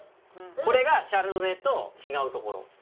これがシャルドネと違うところ。